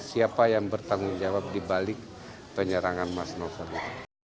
siapa yang bertanggung jawab dibalik penyerangan mas nusantara